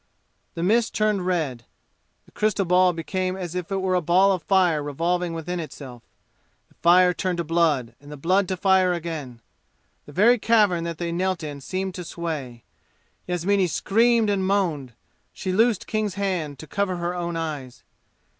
The mist turned red. The crystal ball became as it were a ball of fire revolving within itself. The fire turned to blood, and the blood to fire again. The very cavern that they knelt in seemed to sway. Yasmini screamed and moaned. She loosed King's hands to cover her own eyes.